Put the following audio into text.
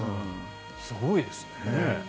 すごいですね。